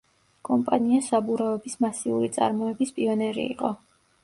კომპანია საბურავების მასიური წარმოების პიონერი იყო.